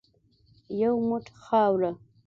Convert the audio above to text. یو موټ خاوره .